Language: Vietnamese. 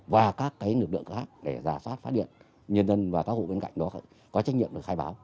và các lực lượng khác để giả soát phát điện nhân dân và các hộ bên cạnh đó có trách nhiệm được khai báo